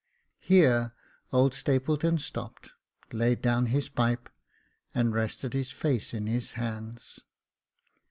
Here old Stapleton stopped, laid down his pipe, and rested his face in his hands.